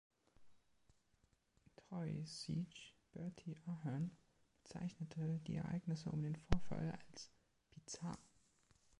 Taoiseach Bertie Ahern bezeichnete die Ereignisse um den Vorfall als „bizarr“.